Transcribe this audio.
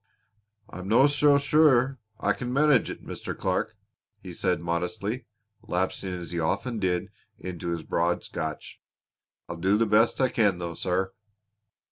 "I'm no so sure I can manage it, Mr. Clark," he said modestly, lapsing, as he often did, into his broad Scotch. "I'll do the best I can though, sir."